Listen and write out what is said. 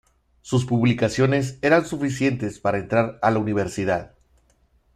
Sus publicaciones eran suficientes para entrar a la universidad.